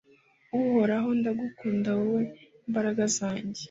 Uhoraho ndagukunda wowe mbaraga zanjye